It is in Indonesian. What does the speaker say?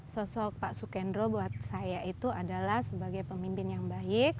sosok pak sukendro buat saya itu adalah sebagai pemimpin yang baik